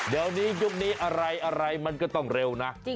เดี๋ยวนี้ยุคนี้อะไรมันก็ต้องเร็วนะ